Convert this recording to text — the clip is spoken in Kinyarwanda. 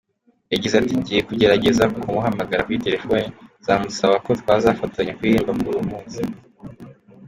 Yagize ati: “Ngiye kugerageza kumuhamagara kuri telefoni, nzamusaba ko twazafatanya kuririmba kuri uwo munsi…”.